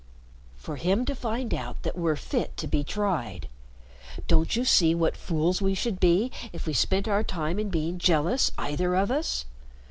"For him to find out that we're fit to be tried. Don't you see what fools we should be if we spent our time in being jealous, either of us.